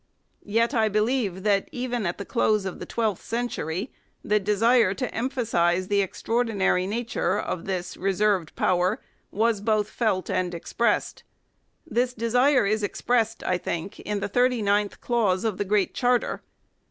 Yet I believe that, even at the close of the twelfth century, the desire to emphasize the extra ordinary nature of this reserved power was both felt and expressed. This desire is expressed, I think, in the thirty ninth clause of the Great Charter.